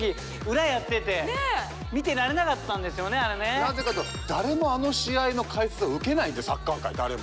なぜかというと誰もあの試合の解説を受けないんでサッカー界誰も。